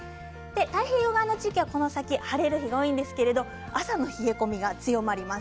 太平洋側の地域は、この先晴れるところが多いですが朝の冷え込みが強まります。